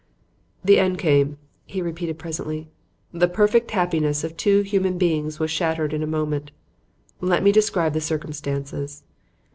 "The end came," he repeated presently. "The perfect happiness of two human beings was shattered in a moment. Let me describe the circumstances.